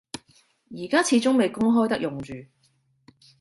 而家始終未公開得用住